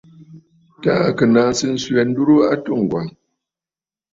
Taà kɨ naŋsə swɛ̌ ndurə a atû Ŋgwà.